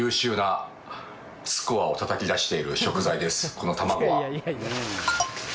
この卵は！